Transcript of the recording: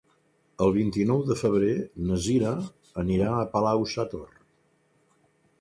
El vint-i-nou de febrer na Cira anirà a Palau-sator.